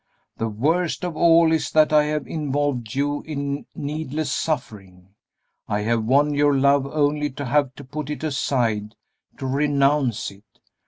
The worst of all is that I have involved you in needless suffering; I have won your love only to have to put it aside to renounce it.